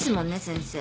先生。